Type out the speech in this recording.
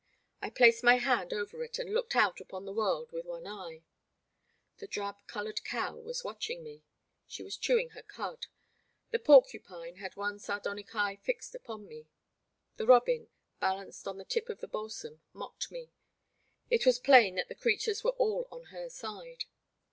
I placed my hand over it and looked out upon the world with one eye. The drab coloured cow was watching me ; she was chewing her cud ; the porcupine had one sardonic eye fixed upon me ; the robin, balanced on the tip of the balsam, mocked me. It was plain that the creatures were all on her side.